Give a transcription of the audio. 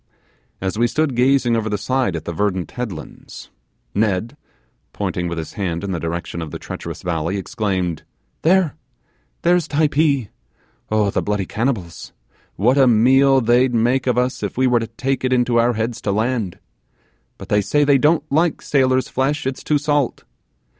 As we stood gazing over the side at the verdant headlands, Ned, pointing with his hand in the direction of the treacherous valley, exclaimed, 'There there's Typee. Oh, the bloody cannibals, what a meal they'd make of us if we were to take it into our heads to land! but they say they don't like sailor's flesh, it's too salt.